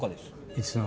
いつの？